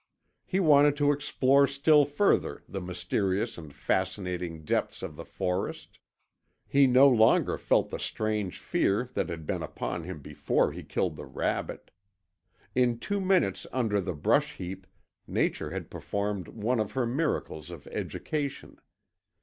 He wanted to explore still further the mysterious and fascinating depths of the forest. He no longer felt the strange fear that had been upon him before he killed the rabbit. In two minutes under the brush heap Nature had performed one of her miracles of education.